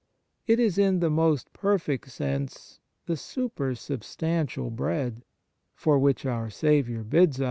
It is in the most perfect sense the " supersubstantial Bread " for which our Saviour bids us 1 Cf.